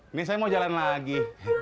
ini saya mau jalan lagi